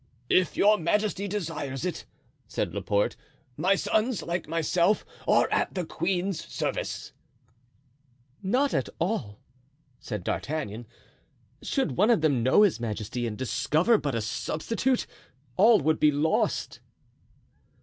"If your majesty desires it," said Laporte, "my sons, like myself, are at the queen's service." "Not at all," said D'Artagnan; "should one of them know his majesty and discover but a substitute, all would be lost."